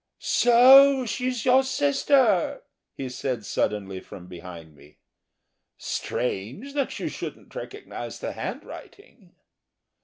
"So, she's your sister?" he said suddenly, from behind me. "Strange that you shouldn't recognise the handwriting...."